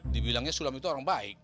dibilangnya sulami itu orang baik